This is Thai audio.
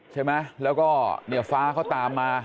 ใช่ไหมแล้วก็ฟ้าเขาตามมา